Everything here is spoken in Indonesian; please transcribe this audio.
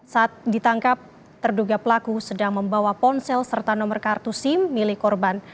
saat ditangkap terduga pelaku sedang membawa ponsel serta nomor kartu sim milik korban